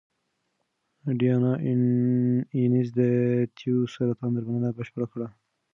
ډیانا اینز د تیو سرطان درملنه بشپړه کړې.